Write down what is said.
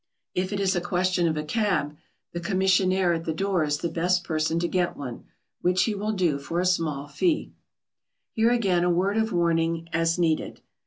If it is a question of a cab, the commissionaire at the door is the best person to get one, which he will do for a small fee. [Sidenote: A word of warning.] Here again a word of warning is needed.